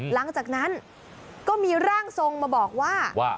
หลังจากนั้นก็มีร่างทรงมาบอกว่า